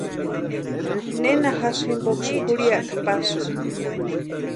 ¿Nena jasï jimpoksï jurhiata pasïni?